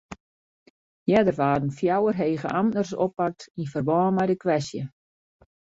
Earder waarden fjouwer hege amtners oppakt yn ferbân mei de kwestje.